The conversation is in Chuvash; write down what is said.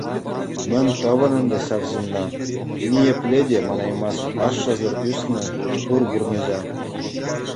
Мӗн тӑвӑн ӗнтӗ ҫав ҫынна: ниепле те манаймасть ашшӗсӗр ӱснӗ хур пурнӑҫа.